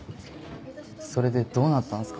それでどうなったんすか？